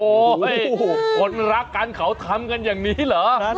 โอ้โหคนรักกันเขาทำกันอย่างนี้เหรอ